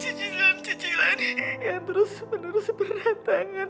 cicilan cicilan yang terus menerus berdatangan